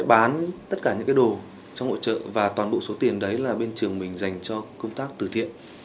bắt chước nhảy xuống sông tấm luôn